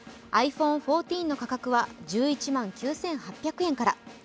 ｉＰｈｏｎｅ１４の価格は１１万９８００円から。